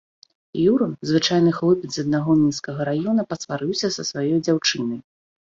Юра, звычайны хлопец з аднаго мінскага раёна, пасварыўся са сваёй дзяўчынай.